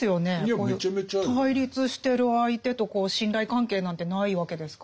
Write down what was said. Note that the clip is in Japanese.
対立してる相手と信頼関係なんてないわけですから。